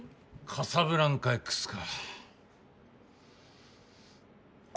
カサブランカＸか。